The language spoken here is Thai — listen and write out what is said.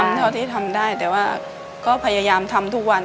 เท่าที่ทำได้แต่ว่าก็พยายามทำทุกวัน